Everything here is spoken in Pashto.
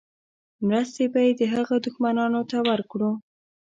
مرستې به یې د هغه دښمنانو ته ورکړو.